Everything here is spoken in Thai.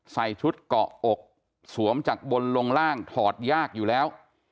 ใส่ชุดเกาะอกสวมจากบนลงล่างถอดยากอยู่แล้ว